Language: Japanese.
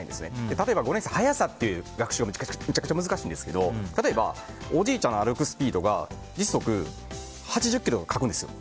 例えば５年生、速さの学習がめちゃくちゃ難しいんですけど例えばおじいちゃんが歩くスピードが時速８０キロって書くんですよ。